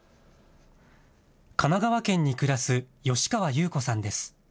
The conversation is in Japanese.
神奈川県に暮らす吉川優子さんです。